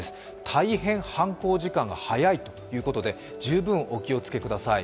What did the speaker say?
大変犯行時間が早いということで十分お気をつけください。